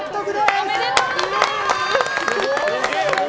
おめでとうございます！